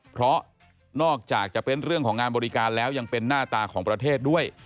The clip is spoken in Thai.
เพราะนอกจากจะเป็นเรื่องของงานบริการแล้วยังเป็นหน้าตาของประเทศด้วย